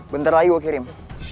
bentar lagi gue kirim